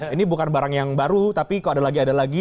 ini bukan barang yang baru tapi kok ada lagi ada lagi